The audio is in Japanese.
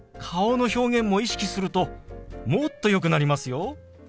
顔の表現も意識するともっとよくなりますよ。